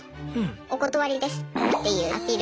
「お断りです」っていうアピールはできる。